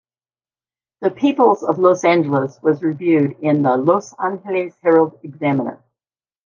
"The Peoples of Los Angeles" was reviewed in "The Los Angeles Herald Examiner".